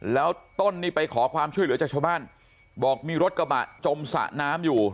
แล้วต้นนี่ไปขอความช่วยเหลือจากชาวบ้านบอกมีรถกระบะจมสระน้ำอยู่